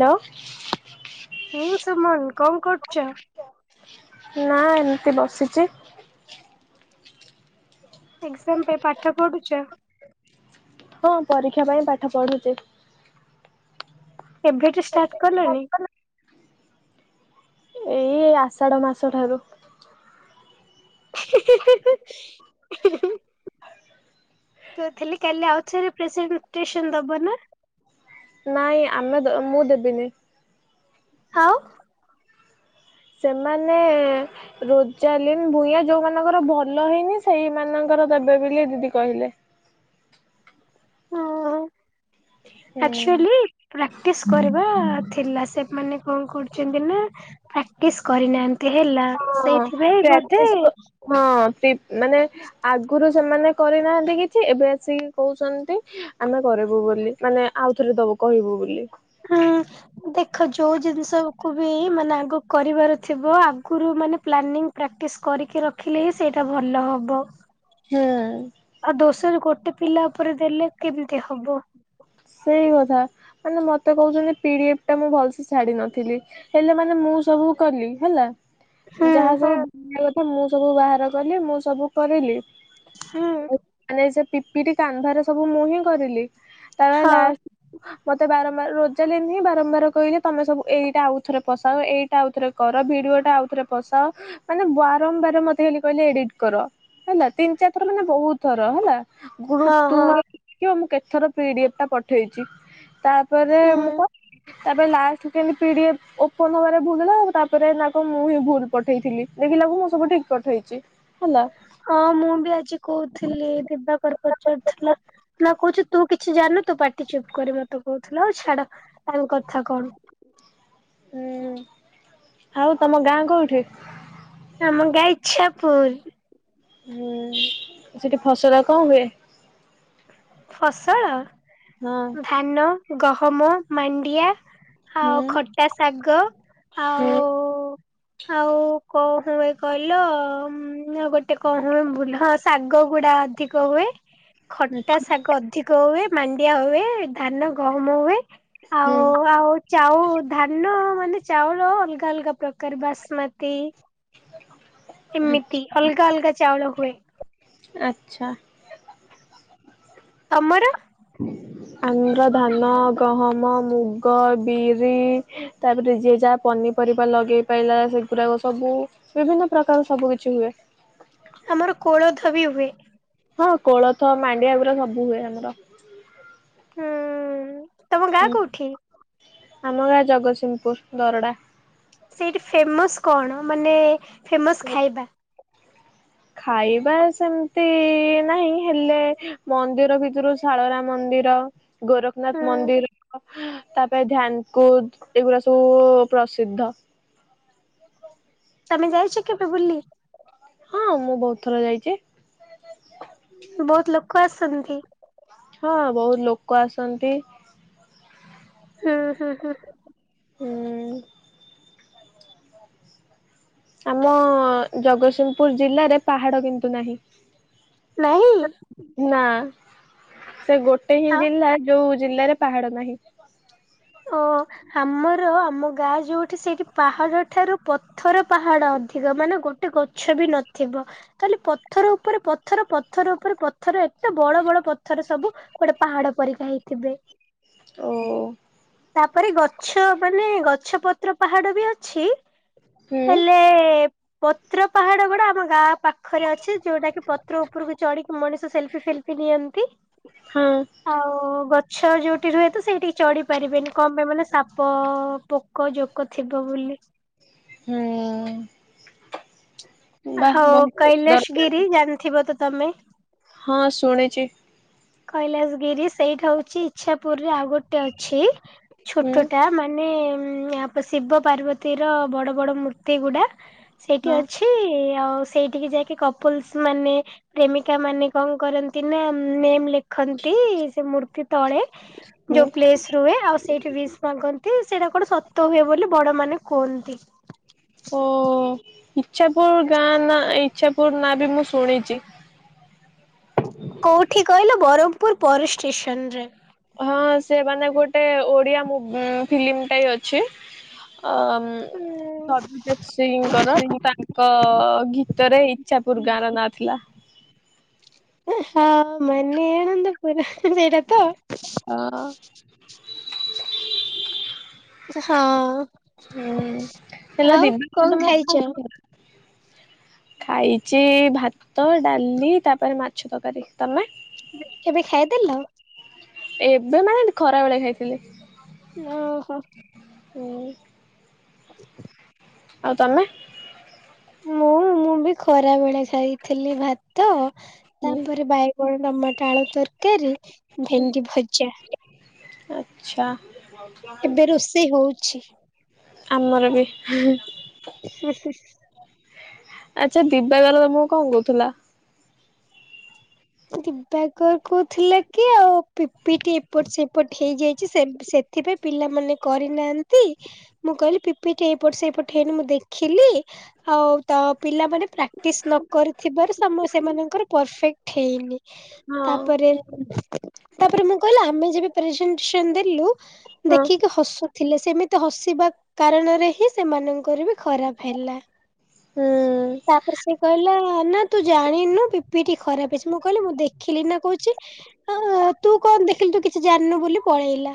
Hello. ହୁଁ ସୁମନ କଣ କରୁଚ? ନା ଏମିତି ବସିଚି। ଏକ୍ଜାମ ପାଇଁ ପାଠ ପଢ଼ୁଚ? ହଁ ପରୀକ୍ଷା ପାଇଁ ପାଠ ପଢୁଚି। ଏବେଠୁ ଷ୍ଟାର୍ଟ କଲଣିି। ଏଇ ଆଷାଢ଼ ମାସଠାରୁ। [inaudible] ତ ଥିଲି କାଲି ଆଉଥରେ ପ୍ରେସେନଷ୍ଟେସନ ଦବ ନା? ନାଇଁ ଆମେ ମୁଁ ଦେବିନି। ଆଉ ସେମାନେ ରୋଜାଲିନ ଭୂୟାଁ ଯୋଉମାନଙ୍କର ଭଲ ହେଇନି ସେଇମାନ ର ଦେବେ ବୋଲି ଦିଦି କହିଲେ। [inaudible] ହୁଁ, ହଁ ଆଚୁଆଲି ପ୍ରାକ୍ଟିସ୍ କରିବା ଥିଲା। ସେମାନେ କଣ କରୁଛନ୍ତି ନା ପ୍ରା ଟିସ୍ କରିନାହାନ୍ତି ହେଲା। ସେଇଥିପାଇ ବୋଧେ ପ୍ରାକ୍ଟିସ୍ ହଁ ମାନେ ଆଗରୁ ସେମାନେ କରିନାହାନ୍ତି କିଛି ଏବେ ଆସିକି କହୁଛନ୍ତି ଆମେ କରିବୁ। ବୁ ବୋଲି ମାନେ ଆଉ ଥରେ ଦବୁ କହିବୁ ବୋଲି। ହଁ। ଦେଖ ଯୋଉ ଜିନିଷ କୁ ବି ମାନେ ଆଗ କରିବାର ଥିବ ଆଗରୁ ମାନେ ପ୍ଲାନିଂ ପ୍ରାକ୍ଟିସ କରିକି ରଖିଲେ ହିଁ ସେଇଟା ଭଲ ହବ। ହୁଁ। ଆଉ ଦୋଷରୁ ଗୋଟେ ପିଲା ଉପରେ ଦେଲେ କେମିତି ହବ ସେଇ କଥା ମାନେ ମତେ କହୁଛନ୍ତି ପିଡିଏଫ ଟା ମୁଁ ଭଲସେ ଛାଡି ନଥିଲି ହେଲେ ମାନେ ମୁଁ ମୁଁ ସବୁ କଲି ହେଲା ହୁଁ ଯାହା ଯାହା ବାହାରିବ କଥା ମୁଁ ସବୁ ବାହାର କଲି ମୁଁ ସବୁ କରିଲି ହୁଁ ମାନେ ସେ ପିପିଟି କାନ୍ଧରେ ସବୁ ମୁଁ ହିଁ କରିଲି ତାପରେ ହଁ ଲାଷ୍ଟ ମତେ ବାରମ୍ବାର ରୋଜାଲିନ୍ ହିଁ ବାରମ୍ବାର କହିଲେ ତମେ ସବୁ ଏଇଟା ଆଉ ଥରେ ପସାଅ ଏଇଟା ଆଉଥରେ କର ଭିଡିଓ ଟା ଆଉଥରେ ପସାଅ ମାନେ ବାରମ୍ବାର ମତେ ଖାଲି କହିଲେ ଏଡିଟ କର ହେଲା ତିନି ଚାରି ଥର ମାନେ ବହୁତ ଥର ହେଲା। ଗ୍ରୁପ ହଁ ତୁ ହଁ ମୁଁ କେଥର ପିଡିଏଫ ଟା ପଠେଇଚି ତାପରେ ହୁଁ ମୁଁ କହିଲି ତାପରେ ଲାଷ୍ଟକୁ ଏନ୍ତି ପିଡ଼ିଏଫ ଓପନ ହବାରେ ଭୁଲ ହେଲା ତାପରେ ନା କୁ ମୁଁ ହିଁ ଭୁଲ ପଠେଇଥିଲି ଦେଖିଲା ଳକୁ ମୁଁ ସବୁ ଠିକ ପକେଇଚି ହଁ ମୁଁ ବି ଆଜି କହୁଥିଲି ଦିବାକର ପଚାରୁଥିଲା ନା କହୁଚି ତୁ କିଛି ଜାଣୁ ତୁ ପାଟି ଚୁପ୍ କରି ମତେ କହୁଥିଲ ଆଉ ଛାଡ ତାଙ୍କ କ ହୁଁ ଆଉ ତମ ଗାଁ କୋଉଠି? ଆମ ଗାଁ ଇଚ୍ଛାପୁର। ହୁଁ ସେଠି ଫସଲ କଣ ହୁଏ? ଫସଲ ହଁ ଧାନ ଗହମ ମାଣ୍ଡିଆ ଆଉ ହୁଁ ଖଟା ଶାଗ, ଆଉ ହୁଁ ଆଉ କଉ ହଁ ଏ କହିଲ ଉଁ ଗୋଟେ କଣ ହୁଏ ଭୁଲ ଶାଗ ଗୁଡା ଅଧିକ ହୁଏ। ଖଟା ଆଚ୍ଛା। ଶାଗ ଅଧିକ ହୁଏ ମାଣ୍ଡିଆ ହୁଏ ଧାନ ଗହମ ହୁଏ ହୁଁ ଆଉ ଆଉ ଚାଉ ଧାନ ମାନେ ନେ ଚାଉଳ ଅଲଗା ଅଲଗା ପ୍ରକାର ବାସୁମତି ହଁ ଏମିତି ଅଲଗା ଅଲଗା ଚାଉଳ ହୁଏ। ଆଚ୍ଛା। ତମର? ଆମର ଧାନ ଗହମ ମୁଗ ବିରି ତାପରେ ଯିଏ ଯାହା ପନିପ ପରିବା ଲଗେଇ ପାଇଲା ସେଗୁରାକ ସବୁ ବିଭିନ୍ନ ପ୍ରକାର ସବୁ କିିଛି ହୁଏ। ଆମର କୋଳଥ ବି ହୁଏ । ହଁ କୋଳଥ ମାଣ୍ଡିଆ ଗୁୁରା ସବୁ ହୁଏ ଆମର । ହୁଁ ତମ ଗାଁ କୋଉଠି? ଆମ ଗାଁ ଜଗତସିଂହପୁର ଦରଡ଼ା । ସେଇଠି ଫେମସ କଣ ମାନେ ଫେମସ ଖାଇବା? ଖାଇବା ସେମିତି ନାହିଁ ହେଲେ ମନ୍ଦିର ଭିତରୁ ଶାଳରା ମନ୍ଦିର ମନ୍ଦିର ଗୋରଖନାଥ ହୁଁ ମନ୍ଦିର ତାପରେ ଧ୍ୟାନକୁଦ ଏଗୁଗୁରା ସବୁ ଉ-ଉ ପ୍ରସିଦ୍ଧ। ତମେ ଯାଇଚ କେବେ ବୁଲି? ହଁ ମୁଁ ବହୁତ ଥର ଯାଇଚି । ବହୁତ ଲୋକ ଆସନ୍ତି? ହଁ ବହୁତ ଲୋକ ଆସନ୍ତି ହୁଁ ହୁଁ ହୁଁ। ହୁଁ। ଆମ ଜଗତସିଂହପୁର ଜିଲ୍ଲାରେ ପାହାଡ଼ କିନ୍ତୁ ନାହିଁ ନାହିଁ ଆଉ । ନା ସେ ଗୋଟେ ହିଁ ଜିଲ୍ଲା ଯୋଉ ଜିଲ୍ଲାରେ ପାହାଡ଼ ନାହିଁ। ଓ ଆମର ଆମ ଗାଁ ଯୋଉଠି ସେଇଠି ପାହାଡ ଠାରୁ ପଥର ପାହାଡ ଅ ଅଧିକ ମାନେ ଗୋଟେ ଗଛ ବି ନଥିବ ତାହେଲେ ପଥର ଉପରେ ପଥର ପଥର ଉପରେ ପଥ ପଥର ଏତେ! ବଡ ବଡ ପଥର ସବୁ ଗୋଟେ ପାହାଡ ପରିକା ହେଇଥିବେ। ଓ-ଓ-ଓ-ଓ। ତା'ପରେ ଗଛ ମାନେ ଗଛ ପତ୍ର ପାହାଡ ବି ଅଛି। ହୁଁ ହେଲେ-ଏ-ଏ-ଏ-ଏ ପ୍ ପତ୍ର ପାହାଡ ଗୁଡା ଆମ ଗାଁ ପାଖରେ ଅଛି। ଯୋଉଟା କି ପତ୍ର ଉପରକୁ ଚଢିକି, ମଣିଷ ସେଲଫି ଫେଲ୍ ନିଅନ୍ତି । ହଁ ଆଉ ଗଛ ଯୋଉଠି ରୁହେ ତ ସେଇଠି ଚଢି ଚଢିପାରିବେନି କଣ ପାଇଁ ମାନେ ସାପ-ପ, ପୋକ, ଜୋକ ଥିବ ବୋଲି। ହୁଁ। ବାଃ ହଉ, ବହୁତ କୈଳାସ ସୁନ୍ଦର ଗିରି ଜାଣିଥିବ ତ, ତମେ ହଁ, ଶୁଣିଚି। କୈଳାସଗିରି ସେଇଟା ହଉଛି, ଇ୍ଛାପୁର ରେ ଆଉ ଗୋଟେ ଅଛି। ହୁଁ ଛୋଟ ଟା ମାନେ-ଏଁ ଉଁ ଶିବ ପାର୍ବତୀ ର ବଡ ବଡ ମୂର୍ତ୍ତି ଗୁଡା ସେଇଠି ହଁ। ଅଛି। ଆଉ, ସେଇଠିକି ଯାଇକି କପଲସ୍ ମାନେ, ପ୍ରେମିକା ମାନେ କଣ କରନ୍ତି ନା, ନେମ୍ ଦେଖନ୍ତି। ସେ ମୂର୍ ତଳେ ଯୋଉ ଓ ପ୍ଲେସ ରୁହେ, ଆଉ ସେଇଠି ୱିଶ ମାଗନ୍ତି। ସେଇଟା କଣ ସତ ହୁଏ, ବୋଲି ବଡ ମାନେ କୁହନ୍ତି। ଓ ଇଛାପୁର ଗାଁ, ନା ଇଚ୍ଛାପୁର ନାଁ ବି ମୁଁ ଶୁଣିଛି। ହ ପୁର ପର ଷ୍ଟେସନରେ। ହଁ, ସେ ମାନେ ଗୋଟେ ଓଡିଆ ମୁଭ ଫିଲ୍ମଟାଏ ଅଛି। ଆମ୍ ସବୁପିଛିଙ୍କର, ତାଙ୍କ ଗୀତରେ ଇଚଛା ପୂର୍ ଗାର ନା ଥିଲା। ହଁ, ମାନେ ଏନନ୍ଦ ପୁର। ସେଇଟାତ ହ। ଅ ହଁ। ହୁଁ, ହେଲା ଆଉ ଦିବ୍ୟାଙ୍କ କଣ ତମ [inaudible] ଖାଇଛ? ଖାଇଚି ଭାତ, ଡାଲି ତାପରେ ମାଛ ତକାରୀ। ତମେ? ଏବେ ଏବେ ଖାଇଦେଲ? ଏବେ ମାନେ ଖରାବେଳେ ଖାଇଥିଲି। ଓହୋ! ହୁଁ, ଆଉ ତମେ? ମୁଁ ମୁଁ ବି ଖରା ବେଳେ ଛାଇଥିଲି ଭାତ୍ ତ ତା'ପରେ ବାଇଗଣ, ଟମାଟ, ଆଳୁ ତରକାରୀ, ଭେଣ୍ଡି ଭଜା। ଆଚ୍ଛା। ଏବେ ରୋଷେଇ ହଉଛି। ଆମର ବି। ହୁ, ହୁ, ଆଛା ଦିବାଗର ତମକୁ କଣ କହୁଥିଲା? ଦିବାକର କୋହୁଥିଲା କି ଆଉ ପିପିଟି ଏପଟ ସେପଟ ହେଇଯାଇଛି। ସେବ୍ ସେ ଏଥିପାଇଁ ପିଲାମାନେ କରିନାହାଁନ୍ତି। ମୁଁ କହିଲି ଆଉ ତ ପିଲାମାନେ ପ୍ରାକ୍ଟିସ ନ କରିଥିବାରୁ, ସେ-ସେମାନଙ୍କର ପରଫେକ୍ଟ ହେଇନି। ହଁ ତା'ପରେ, ତା'ପରେ ମୁଁ କହିଲି, ଆମେ ଯେବେ ପ୍ରେଜେଣ୍ଟସନ୍ ଦେଲୁ ହଁ ଦେଖିକି ହସୁଥିଲେ। ସେମିତି ହସିବା କାରଣରେ ହିଁ ସେମାନଙ୍କର ବି ଖରାପ ହେଲା। ହୁଁ। ତା'ପରେ ସେ କହିଲା ନା ତୁ ଜାଣିନୁ, ପି ପି ଟି ଖରାପ ହେଇଛି। ମୁଁ କହିଲି ମୁଁ ଦେଖିଲି ନା କହୁଛି। ଆଁ ତୁ କଣ ଦେଖିଲୁ ତୁ କିଛି ଜାଣନୁ ବୋଲି ପଳେଇଲା।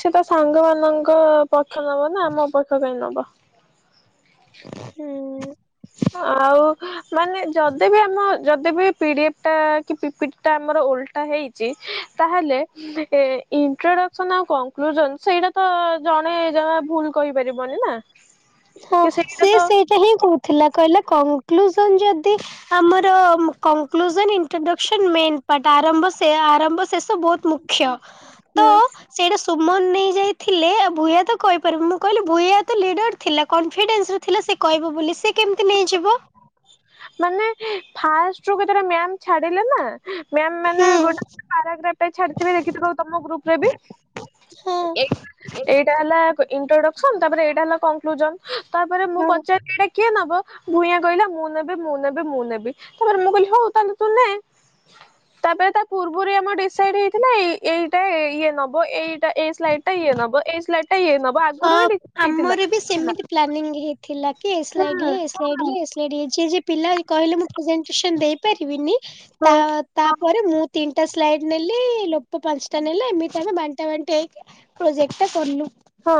ସେ ତ ସାଙ୍ଗ ମାନଙ୍କ ପଖ ନବ ନା ଆମ ପକ୍ଷ କାହିଁ ନବ। ହୁଁ। ଆଉ। ମାନେ ଯଦି ବି ଆମ ଯଦି ବି ପିଡିଏଫ ଟା କି ପିପି ଟା ଆମର ଓଲଟା ହେଇଚି ତାହେଲେ ଇଣ୍ଟ୍ରଡକ୍ସନ ଆଉ କନକୃଜନ ସେଇଟା ତ ଜଣେ ଜ ଭୁଲ କହିପାରିବନି ନା। ହଁ କି ସେ ତ ସେଇଟା ହିଁ କହୁଥିଲା। କହିଲେ କନକ୍ଲୁଜନ ଯଦି ଆମର କନକ୍ଲୁଜନ ଇଣ୍ଟ୍ରଡ଼କ୍ସନ ମେନ ପାଟଟା ଆରମ୍ଭ ସେ ଆରମ୍ଭ। ଶେଷ ବହୁତ ମୁଖ୍ୟ ତ ହୁଁ ସେଟା ସୁମନ ନେଇ ଯାଇଥିଲେ ଭୂୟା ତ କହିପାରିବି ମୁଁ କହିଲି ଭୂୟା ତ ଲିଡ଼ର। ଥିଲା କନଫିଡେନ୍ସ ର ଥିଲା ସେ କହିବ ବୋଲି ସେ କେମିତି ନେଇଯିବ। ମାନେ ଫାଷ୍ଟ ର କେତେ ମ୍ୟାମ୍ ଛାଡିଲେ ନା। ମ୍ୟାମ୍ ମାନେ ହୁଁ ଗୋଟେ ଗୋଟେ ପାରାଗ୍ରାପ ଟାଏ ଛାଡିଥିବେ ଦେଖି ତମ ଗ୍ରୁପ ରେ ବି। ହଁ ଏ ଏଇଟା ହେଲା ଇଣ୍ଟ୍ରୋଡକ୍ସନ। ତାପରେ ଏଇଟା ହେଲା କନକ୍ଲୁଜନ ତାପରେ ମୁଁ ହଁ। ପଚାରିଲି ଏଟା କିଏ ନଵ ଭୂୟାଁ କହିଲା ମୁଁ ନେବି ମୁଁ ନେବି ମୁଁ ନେବି ତାପରେ ମୁଁ କହିଲି ହଉ ତାନେ ତୁ ନେ। ତାପରେ ତା ପୂର୍ବରୁ ଆମର ଡିସାଇଡ ହେଇଥିଲା ଏ ଏଇଟା ଇଏ ନବ ଏଇଟା ଏଇ ସ୍ଲାଇଡ ଟା ଇଏ ନବ। ବ ଏ ସ୍ଲାଇ ହ ଆମର ବି ସେମିତି ପ୍ଲାନିଂ ହେଇଥିଲା କି ଏ ସ୍ଲାଇଡ଼ ହୁଁ ହିଁ ଏ ସ୍ଲାଇଡ଼ ହିଁ ଏ ସ୍ଲାଇଡ଼ ଇଡି ହେଇଚି ଯେ ପିଲା କହିଲେ ମୁଁ ପ୍ରେଜେଣ୍ଟେସନ ଦେଇପାରିବିନି। ତା ହଁ ତାପରେ ମୁଁ ତିନିଟା ସ୍ଲାଇଡ଼ ନେଲି ଲୋ ଉପପ ପାଞ୍ଚଟା ନେଲେ ଏମିତି ଆମେ ବାଣ୍ଟା ବାଣ୍ଟି ହେଇକି ପ୍ରୋଜେକ୍ଟ ଟା କଲୁ। ହଁ।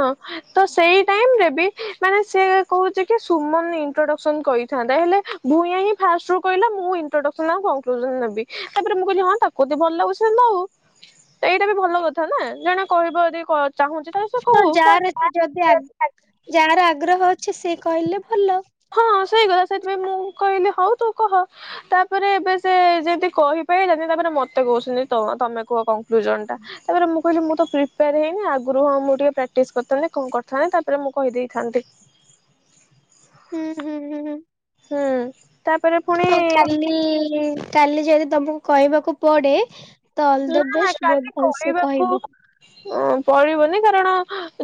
ତ ସେଇ ଟାଇମରେ ବି ମାନେ ସେ କହୁଛି କି ସୁମନ ଇଣ୍ଟ୍ରୋଡକ୍ସନ କରିଥାନ୍ତା ହେଲେ ଭୂୟଁ ହିଁ ଫାଷ୍ଟ ରୁ କହିଲ ମୁଁ ଇଟ୍ରୋଡକ୍ସନ ଆଉ କନକ୍ଲୁଜନ ନେବି ତାପରେ ମୁଁ କହିଲି ହଁ ତାକୁ ଯଦି ଭଲ ଲାଗୁଚି ସେ ନଉ। ଏଇଟା ବି ଭଲ କଥା ନା ଜଣେ କହିବ ଯ ଯଦି ଚାହୁଁଛି ତ ହଁ ଯାହାର ଅ ଯଦି ଯାହାର ଆଗ୍ରହ ଅଛି ସେ କହିଲେ ଭଲ। ସେଇଭଳିଆ ସେଥିପାଇଁ ମୁଁ କହିଲି ହଉ ତୁ କହ ତାପରେ ଏବେ ସେ ଯେମିତି କହି ପାଇଲାନି ତାରେ ମତେ କହୁଛନ୍ତି ତମେ କୁହ କଂକ୍ଲୁଜନ ଟା ତାପରେ ମୁଁ କହିଲି ମୁଁ ତ ପ୍ରିପେୟାର ହେଇନି ଆଗରୁ ହଁ ଟିକେ ପ୍ରାକ୍ଟିସ୍ କରିଥାନ୍ତି କଣ କରିଥାନ୍ତି ତାପରେ ମୁଁ କହିଦେଇଥାନ୍ତି। ହୁଁ ହୁଁ ହୁଁ ହୁଁ। ହୁଁ। ତାପରେ ପୁଣି ହଉ କାଲି କାଲି ଯଦି ତମକୁ କହିବାକୁ ପଡ଼େ। ଅଲ ଦ ନା ବେଷ୍ଟ ବହୁ ଭଲସେ କହିବ। ଅ ପଡିବନି କାରଣ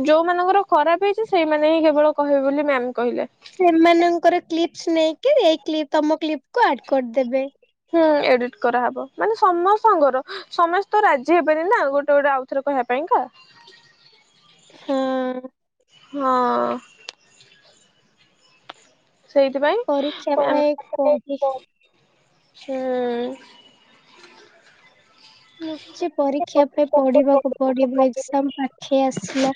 ଯୋଉ ମାନଙ୍କର ଖରାପ ହେଇଛି ସେଇମାନେ ହିଁ କେବଳ କହିବେ ବୋଲି ମ୍ୟାମ୍ କହିଲେ। ସେମାନଙ୍କର କ୍ଲିପସ୍ ନେଇକି ଏଇ କ୍ଲିପ ତମ କ୍ଲିପ କୁ ଆଡ୍ କରିଦେବେ। ହୁଁ ଏଡ଼ିଟ୍ କରାହେବ ମାନେ ସମସ୍ତଙ୍କର ସମସ୍ତେ ରାଜି ହେବନି ନା ଗୋଟେ ଗୋଟେ ଆଉଥରେ କହିବା ପାଇଁ। ଭୟଙ୍କା ହଁ। ହଁ। ପରୀକ୍ଷା ପାଇଁ ସେଇଥିପାଇଁ ପଢି ଆ ହୁଁ। କିଛି ପରୀକ୍ଷା ପାଇଁ ପଢ଼ିବାକୁ ପଡ଼ିବ ଏକ୍ସାମ ପାଖେଇ ଆସିଲା।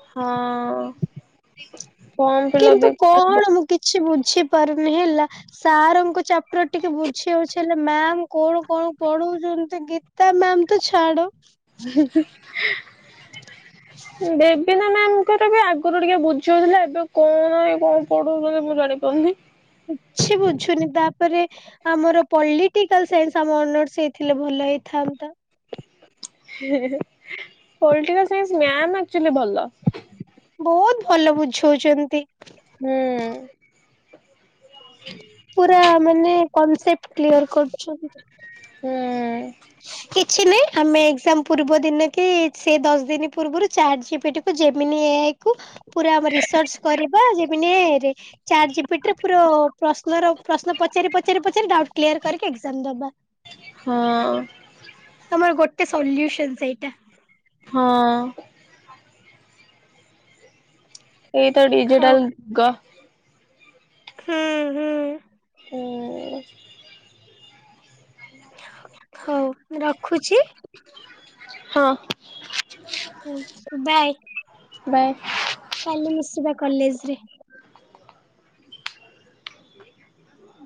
ହଁ। ଫର୍ମ ଫିଲପ କିନ୍ତୁ ବି କଣ ମୁ କିଛି ବୁଝି ପାରୁନି ହେଲା ସାରଙ୍କ ଚାପଟର ଟିକେ ବୁଝି ହଉଚି ହେ ମ୍ୟାାମ୍ କଣ କଣ ପଢ଼ଉଚନ୍ତି ଗୀତା ମ୍ୟାମ୍ ତ ଛାଡ଼ ଦେବିନା ମ୍ୟାମ୍ ଙ୍କର ବି ଆଗୁରୁ ଟିକେ ବୁଝି ହୋଉଥୁଲା ଏବେ କଣ ଏ କଣ ପଢ଼ୋଉଚନ୍ତି ମୁଁ ଜାଣି ପାରୁନେଇ। କିଛି ବୁଝୁନି ତାପରେ ଆମର ପଲିଟିକାଲ୍ ସାଇନ୍ସ୍ ଆମ ଅନର୍ସ ହେଇଥିଲେ ଭଲ ହେଇଥାନ୍ତା। ପଲିଟିକାଲ୍ ସାଇନ୍ସ୍ ମ୍ୟାମ୍ ଆକ୍ଚୁଲି ଭଲ। ବୋହୁତ୍ ଭଲ ବୁଝୋଉଚନ୍ତି। ହୁଁ। ପୁରା ମାନେ କନସେପ୍ଟ୍ କ୍ଲିୟର୍ କରୁଛନ୍ତି। ହୁଁ। ହ କିଛି ନାହିଁ ଆମେ ଏକ୍ଜାମ୍ ପୂର୍ବ ଦିନ କି ସେଇ ଦଶ ଦିନ ପୂର୍ବରୁ ଚାଟ୍ ଜିପିଟିକୁ ଯେମିିନି ଏ ଆଇ କୁ ପୁରା ଆମ ରିସର୍ଚ୍ଚ କରିବା ଯେମିନି ଏ ଆଇ ରେ ଚାଟ୍ ଜିପିଟିରେ ପୁର ପ୍ରଶ୍ନର ପ୍ରଶ୍ନ ପଚାରି ପଚାରି ପଚାରି ଡାଉଟ୍ କ୍ଲିୟର୍ କରିକି ଏଗ୍ଜାମ ଦବା। ହଁ। ତମର ଗୋଟେ ସଲ୍ୟୁସନ୍ ସେଇଟା। ହଁ। ଏଇଟା ହଉ ଡିଜିଟାଲ୍ ଗ। ହୁଁ ହୁଁ। ଉଁ ହଉ ରଖୁଚି। ହଁ। ହୁଁ ବାଏ। ବାଏ। କାଲି ମିଶିବା କଲେଜ୍ ରେ। ହ